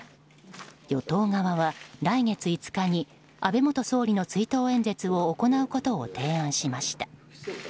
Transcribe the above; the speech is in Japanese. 与党側は、来月５日に安倍元総理の追悼演説を行うことを提案しました。